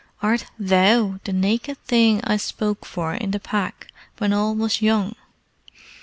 "Art THOU the naked thing I spoke for in the Pack when all was young?